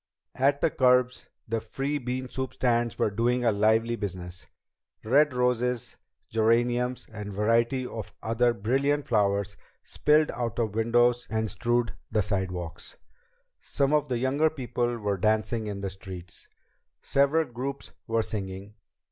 At the curbs the free bean soup stands were doing a lively business. Red roses, geraniums, and varieties of other brilliant flowers spilled out of windows and strewed the sidewalks. Some of the younger people were dancing in the streets. Several groups were singing.